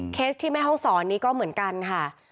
ที่แม่ห้องศรนี้ก็เหมือนกันค่ะ